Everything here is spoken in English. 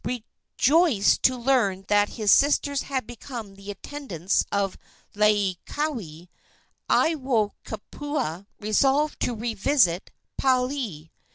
Rejoiced to learn that his sisters had become the attendants of Laieikawai, Aiwohikupua resolved to revisit Paliuli.